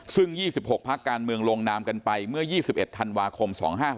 ซึ่ง๒๖พักการเมืองลงนามกันไปเมื่อ๒๑ธันวาคม๒๕๖๖